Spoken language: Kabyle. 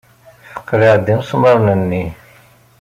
Teqleɛ-d imesmaṛen-nni.